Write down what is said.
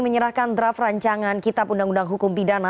selamat sore pak albert